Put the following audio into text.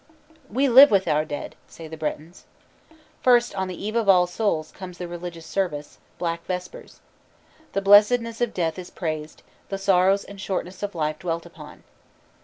"We live with our dead," say the Bretons. First on the Eve of All Souls' comes the religious service, "black vespers." The blessedness of death is praised, the sorrows and shortness of life dwelt upon.